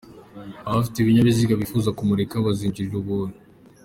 Abafite ibinyabiziga bifuza kumurika bazinjirira ubuntu.